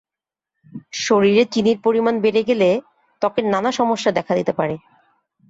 শরীরে চিনির পরিমাণ বেড়ে গেলে ত্বকের নানা সমস্যা দেখা দিতে পারে।